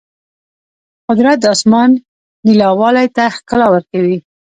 قدرت د اسمان نیلاوالي ته ښکلا ورکوي.